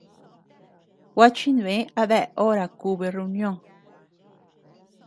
Gua chimbë a dea hora kubi reunion.